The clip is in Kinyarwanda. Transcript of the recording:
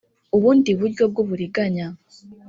ubundi buryo bw uburiganya